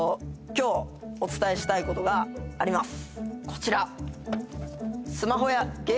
今日お伝えしたいことがあります